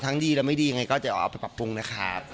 ทั้งดีและไม่ดีอย่างไรก็จะเอาไปปรับปรุงนะครับ